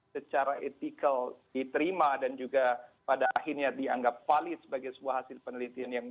secara etikal diterima dan juga pada akhirnya dianggap valid sebagai sebuah hasil penelitian yang